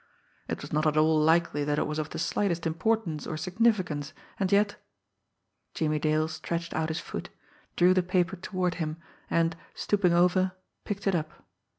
It was not at all likely that it was of the slightest importance or significance, and yet Jimmie Dale stretched out his foot, drew the paper toward him, and, stooping over, picked it up.